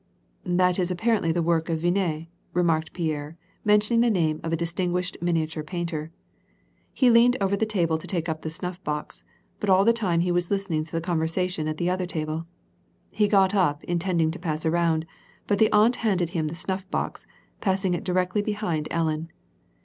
" That is apparently the work of Vinnes," remarked Pierre, mentioning the name of a distinguished miniature painter. He leaned over the table to take up the snuff box, but all the time he was listening to the conversation at the other table. He got up, intending to pass around; but the aunt handed him the snuff box, passing it directly behind Ellen.